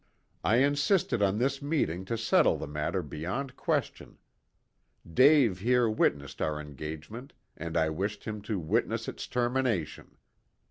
I insisted on this meeting to settle the matter beyond question. Dave here witnessed our engagement, and I wished him to witness its termination.